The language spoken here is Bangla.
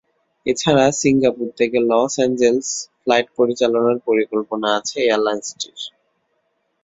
এ ছাড়া সিঙ্গাপুর থেকে লস অ্যাঞ্জেলেস ফ্লাইট পরিচালনার পরিকল্পনা আছে এয়ারলাইনসটির।